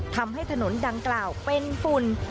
ทำให้ถนนดังกล่าวเป็นฝุ่น